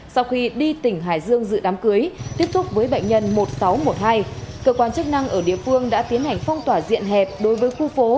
sau khi đi tỉnh hải dương dự đám cưới tiếp xúc với bệnh nhân một nghìn sáu trăm một mươi hai cơ quan chức năng ở địa phương đã tiến hành phong tỏa diện hẹp đối với khu phố